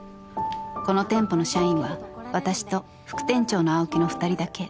［この店舗の社員は私と副店長の青木の２人だけ］